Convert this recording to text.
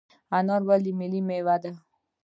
انار ولې ملي میوه ده؟